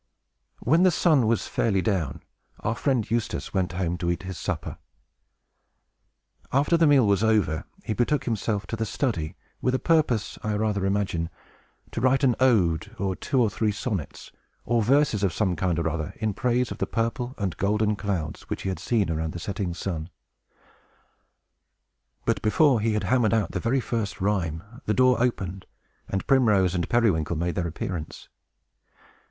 When the sun was fairly down, our friend Eustace went home to eat his supper. After the meal was over, he betook himself to the study with a purpose, I rather imagine, to write an ode, or two or three sonnets, or verses of some kind or other, in praise of the purple and golden clouds which he had seen around the setting sun. But, before he had hammered out the very first rhyme, the door opened, and Primrose and Periwinkle made their appearance.